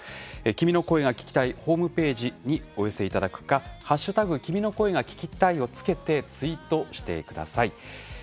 「君の声が聴きたい」ホームページにお寄せいただくか「＃君の声が聴きたい」をつけてツイートしてください。